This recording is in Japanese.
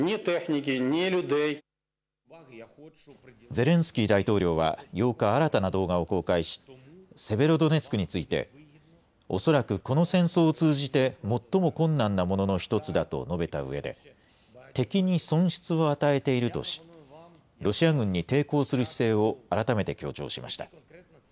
ゼレンスキー大統領は８日、新たな動画を公開しセベロドネツクについて恐らくこの戦争を通じて最も困難なものの１つだと述べたうえで敵に損失を与えているとし、ロシア軍に抵抗する姿勢を改めて強調しました。